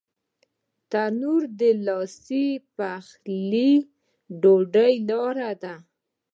تنور د لاس پخې ډوډۍ لاره ده